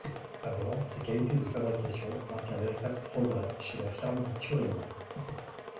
À bord, sa qualité de fabrication marque un véritable progrès chez la firme turinoise.